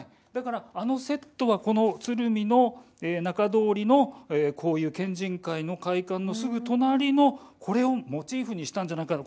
あのセットは鶴見の中通りのこういう県人会の会館のすぐ隣のこれをモチーフにしたんじゃないかと。